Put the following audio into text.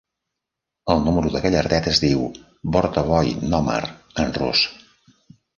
El número de gallardet es diu "bortovoi nomer" en rus.